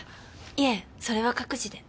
いえそれは各自で。